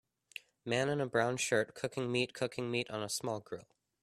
Man in a brown shirt cooking meat cooking meat on a small grill.